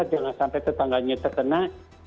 jangan sampai tetangganya terkena